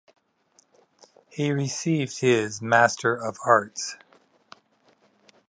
He received his Master of Arts.